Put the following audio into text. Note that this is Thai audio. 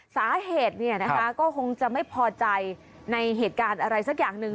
สาเหตุก็คงจะไม่พอใจในเหตุการณ์อะไรสักอย่างหนึ่ง